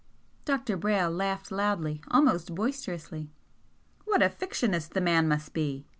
Dr. Brayle laughed loudly, almost boisterously. "What a fictionist the man must be!"